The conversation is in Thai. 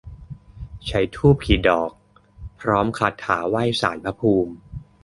ใช้ธูปกี่ดอก พร้อมคาถาไหว้ศาลพระภูมิ